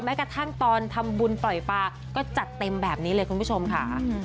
กระทั่งตอนทำบุญปล่อยปลาก็จัดเต็มแบบนี้เลยคุณผู้ชมค่ะ